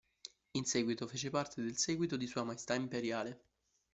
In seguito fece parte del seguito di Sua Maestà Imperiale.